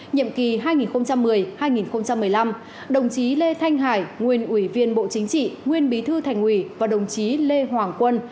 nhiệm kỳ hai nghìn một mươi hai nghìn một mươi năm đồng chí lê thanh hải nguyên ủy viên bộ chính trị nguyên bí thư thành ủy và đồng chí lê hoàng quân